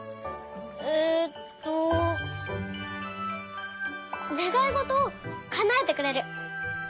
えっとねがいごとをかなえてくれる。